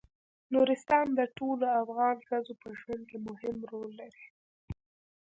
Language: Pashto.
نورستان د ټولو افغان ښځو په ژوند کې مهم رول لري.